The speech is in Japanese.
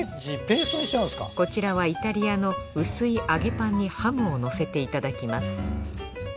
こちらはイタリアの薄い揚げパンにハムをのせていただきます。